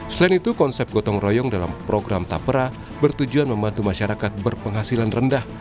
selain itu konsep gotong royong dalam program tapera bertujuan membantu masyarakat berpenghasilan rendah